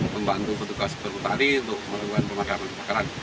membantu petugas berhutari untuk melakukan pemadaman kebakaran